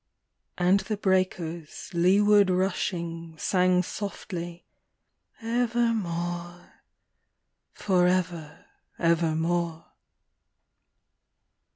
And the breakers, leeward rushing, sang softly, " Ever more," forever evermore.